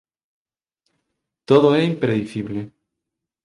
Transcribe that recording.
Todo é impredicible.